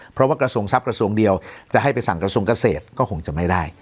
เพราะว่ากระทรวงทรัพย์กระทรวงเดียวจะให้ไปสั่งกระทรวงเกษตรก็คงจะไม่ได้